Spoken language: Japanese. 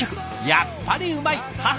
やっぱりうまい母の味。